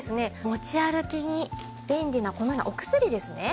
持ち歩きに便利なこのようなお薬ですね。